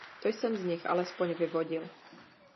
To jsem z nich alespoň vyvodil.